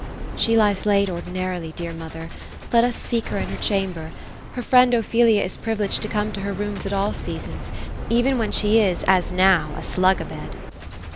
She lies late, ordinarily, dear mother. Let us seek her in her cham ber ; Iler friend Ophelia is privileged to come to her rooms at all sea 8on8,^ even when she is, as now, a slug a bed.'